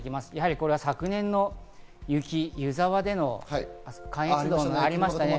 これは昨年の雪、湯沢での関越自動車のありましたね。